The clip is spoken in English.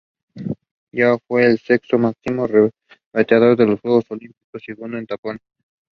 It is headed by an extraordinary and plenipotentiary ambassador.